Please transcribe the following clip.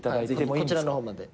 こちらの方まで。